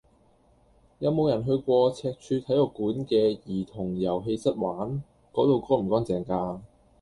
有無人去過赤柱體育館嘅兒童遊戲室玩？嗰度乾唔乾淨㗎？